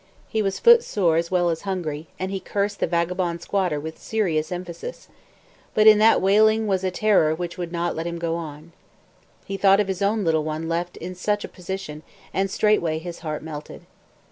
He was foot sore as well as hungry, and he cursed the vagabond squatter with serious emphasis; but in that wailing was a terror which would not let him go on. He thought of his own little one left in such a position, and straightway his heart melted.